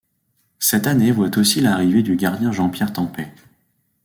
Cette année voit aussi l'arrivée du gardien Jean-Pierre Tempet.